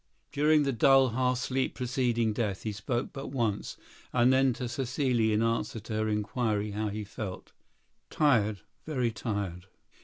During the dull half sleep preceding death he spoke but once, and then to Cécile in answer to her inquiry how he felt—"Tired, very tired."